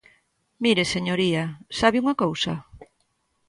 Mire, señoría, ¿sabe unha cousa?